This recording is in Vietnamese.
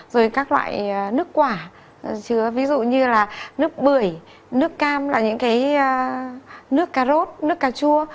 rồi các loại nước quả chứa ví dụ như là nước bưởi nước cam là những cái nước cà rốt nước cà chua